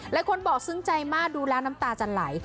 หลายคนบอกซึ้งใจมากดูแล้วน้ำตาจะไหล